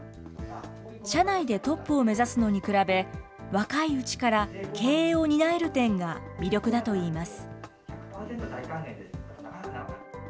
社内でトップを目指すのに比べ、若いうちから経営を担える点が魅力だといいます。